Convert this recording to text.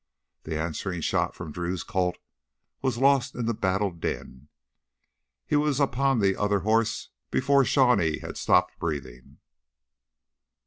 The answering shot from Drew's Colt was lost in the battle din. He was upon the other horse before Shawnee had stopped breathing.